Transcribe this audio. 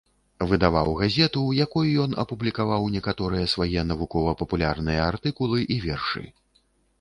Выдаваў газету, у якой ён апублікаваў некаторыя свае навукова-папулярныя артыкулы і вершы.